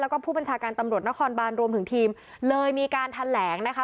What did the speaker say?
แล้วก็ผู้บัญชาการตำรวจนครบานรวมถึงทีมเลยมีการแถลงนะคะ